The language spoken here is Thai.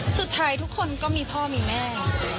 สุดท้ายทุกคนก็มีพ่อมีแม่